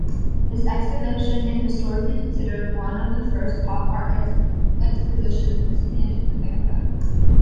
This exhibition is historically considered one of the first "Pop Art" exhibitions in America.